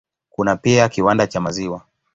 Kuna pia kiwanda cha maziwa.